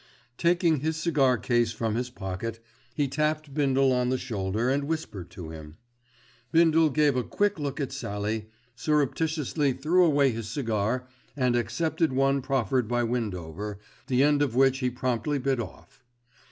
Taking his cigar case from his pocket, he tapped Bindle on the shoulder and whispered to him. Bindle gave a quick look at Sallie, surreptitiously threw away his cigar and accepted one proffered by Windover, the end of which he promptly bit off.